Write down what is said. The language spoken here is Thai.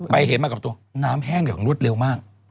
เห็นมากับตัวน้ำแห้งอย่างรวดเร็วมาก